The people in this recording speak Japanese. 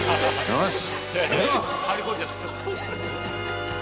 よし！